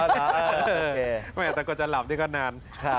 แต่ก็จะหลับนี่ก็นาน